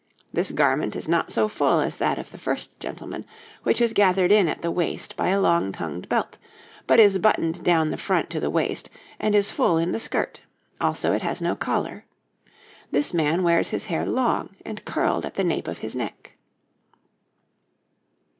This garment is not so full as that of the first gentleman, which is gathered in at the waist by a long tongued belt, but is buttoned down the front to the waist and is full in the skirt; also it has no collar. This man wears his hair long and curled at the nape of his neck.